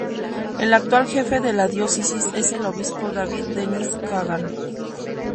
El actual jefe de la diócesis es el obispo David Dennis Kagan.